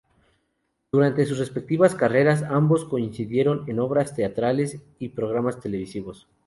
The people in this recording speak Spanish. Durante sus respectivas carreras, ambos coincidieron en obras teatrales y programas televisivos.